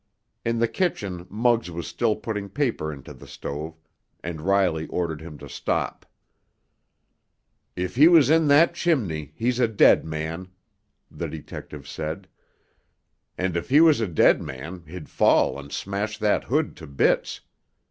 In the kitchen Muggs was still putting paper into the stove, and Riley ordered him to stop. "If he was in that chimney, he's a dead man," the detective said. "And if he was a dead man, he'd fall and smash that hood to bits.